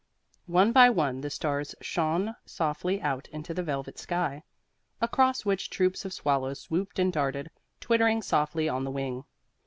One by one the stars shone softly out in the velvet sky, across which troops of swallows swooped and darted, twittering softly on the wing.